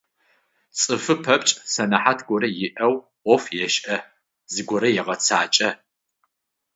Цӏыфы пэпчъ сэнэхьат горэ иӏэу ӏоф ешӏэ, зыгорэ егъэцакӏэ.